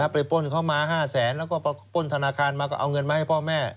ป้นเขามา๕แสนแล้วก็ป้นธนาคารมาก็เอาเงินมาให้พ่อแม่